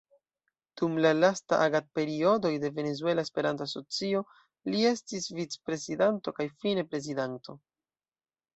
Dum la lastaj agad-periodoj de Venezuela Esperanto-Asocio li estis vicprezidanto kaj fine Prezidanto.